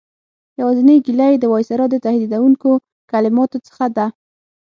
یوازینۍ ګیله یې د وایسرا د تهدیدوونکو کلماتو څخه ده.